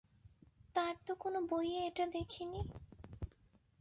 তার তো কোনো বইয়ে এটা দেখি নি।